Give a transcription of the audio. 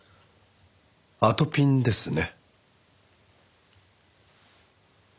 あとぴんですね？